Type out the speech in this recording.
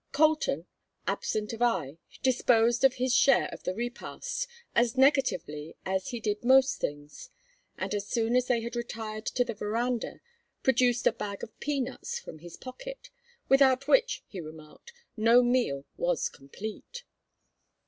Colton, absent of eye, disposed of his share of the repast as negatively as he did most things, and as soon as they had retired to the veranda produced a bag of peanuts from his pocket, without which, he remarked, no meal was complete.